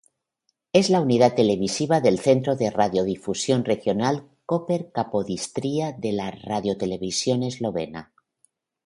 Es la unidad televisiva del Centro de Radiodifusión Regional Koper-Capodistria de la Radiotelevisión Eslovena.